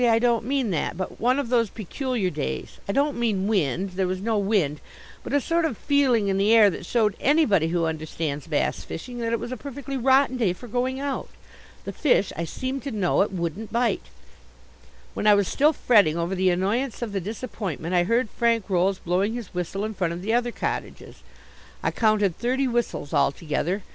I don't mean that, but one of those peculiar days I don't mean wind there was no wind, but a sort of feeling in the air that showed anybody who understands bass fishing that it was a perfectly rotten day for going out. The fish, I seemed to know it, wouldn't bite. When I was still fretting over the annoyance of the disappointment I heard Frank Rolls blowing his whistle in front of the other cottages. I counted thirty whistles altogether.